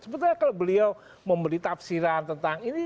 sebetulnya kalau beliau memberi tafsiran tentang ini